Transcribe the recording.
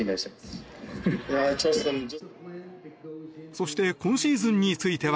そして今シーズンについては。